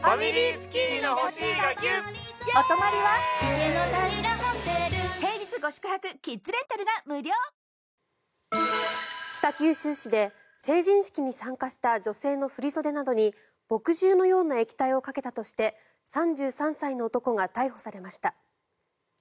伍代夏子さんら人気芸能人が北九州市で成人式に参加した女性の振り袖などに墨汁のような液体をかけたとして３３歳の男が逮捕されました。